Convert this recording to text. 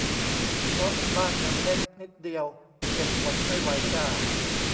เพราะบ้านฉันเล็กนิดเดียว เก็บหมดไม่ไหวจ้า